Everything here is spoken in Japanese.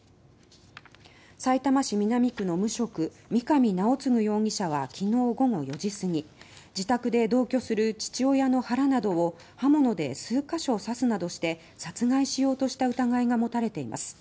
さいたま市南区の無職三上尚貢容疑者はきのう午後４時すぎ自宅で同居する父親の腹などを刃物で数ヶ所刺すなどして殺害しようとした疑いが持たれています。